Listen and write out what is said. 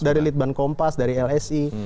dari litbang kompas dari lsi